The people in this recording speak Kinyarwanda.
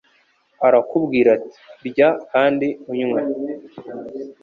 arakubwira ati «Rya kandi unywe»